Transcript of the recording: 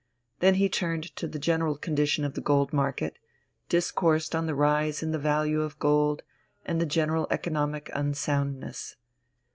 Then he turned to the general condition of the gold market, discoursed on the rise in the value of gold and the general economic unsoundness.